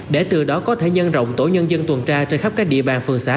để từ đó có thể nhân rộng tổ nhân dân tuần tra trên khắp các địa bàn phường xã